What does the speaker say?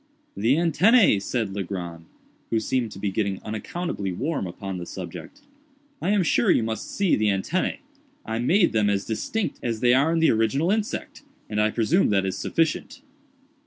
"The antennæ!" said Legrand, who seemed to be getting unaccountably warm upon the subject; "I am sure you must see the antennæ. I made them as distinct as they are in the original insect, and I presume that is sufficient."